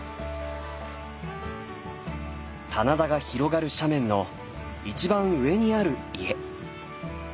棚田が広がる斜面の一番上にある家。